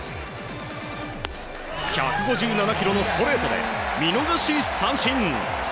１５７キロのストレートで見逃し三振！